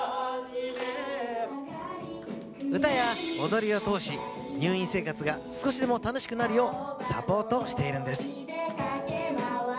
歌や踊りを通し、入院生活が少しでも楽しくなるようサポートしているんです。